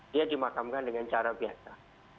dia dimakamkan dengan cara biasa